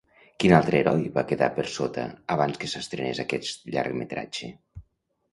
Quin altre heroi va quedar per sota abans que s'estrenés aquest llargmetratge?